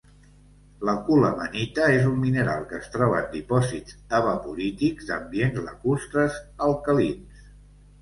La colemanita és un mineral que es troba en dipòsits evaporítics d'ambients lacustres alcalins.